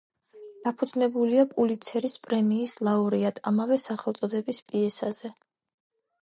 დაფუძნებულია პულიცერის პრემიის ლაურეატ ამავე სახელწოდების პიესაზე.